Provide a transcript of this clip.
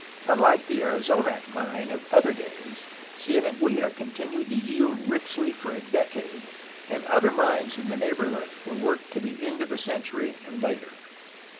Unlike the Arizonac mine of other days Cieneguilla continued to yield richly for a decade, and other mines in the neighborhood were worked to the end of the century and later.